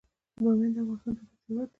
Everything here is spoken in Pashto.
بامیان د افغانستان طبعي ثروت دی.